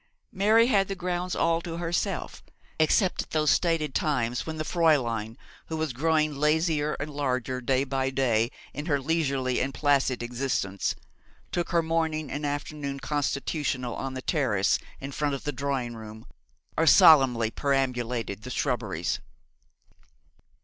Mary had the grounds all to herself, except at those stated times when the Fräulein, who was growing lazier and larger day by day in her leisurely and placid existence, took her morning and afternoon constitutional on the terrace in front of the drawing room, or solemnly perambulated the shrubberies.